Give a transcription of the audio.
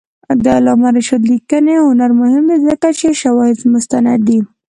د علامه رشاد لیکنی هنر مهم دی ځکه چې شواهد مستند دي.